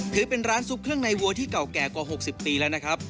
ถือเป็นร้านซุปเครื่องในวัวที่เก่าแก่กว่า๖๐ปีแล้วนะครับ